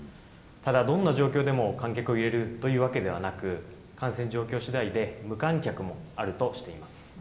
ただ、どんな状況でも観客を入れるというわけではなく、感染状況しだいで無観客もあるとしています。